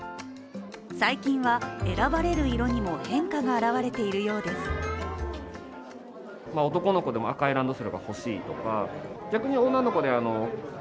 最近は選ばれる色にも変化が表れているようです。